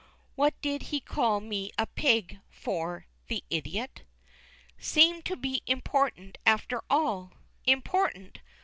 What did he call me a "pig" for, the idiot? "Seem to be important, after all?" Important!